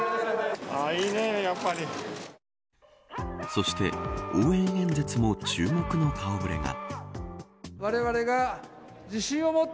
そして、応援演説も注目の顔触れが。